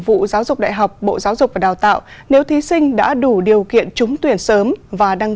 vụ giáo dục đại học bộ giáo dục và đào tạo nếu thí sinh đã đủ điều kiện trúng tuyển sớm và đăng